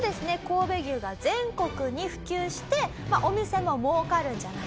神戸牛が全国に普及してお店も儲かるんじゃないか。